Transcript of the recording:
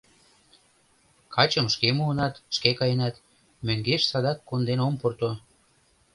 Качым шке муынат, шке каенат, мӧҥгеш садак конден ом пурто.